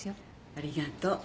ありがとう。